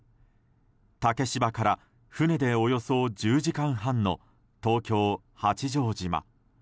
竹芝から船でおよそ１０時間半の東京・八丈島。